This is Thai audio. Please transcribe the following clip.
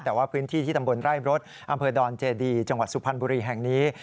แต่ว่าพื้นที่ที่ตำบลไร่รถอำเภอดอนเจดีจังหวัดสุพรรณบุรีแห่งนี้